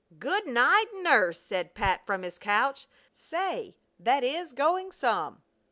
"Good night nurse!" said Pat from his couch. "Say, that is going some!"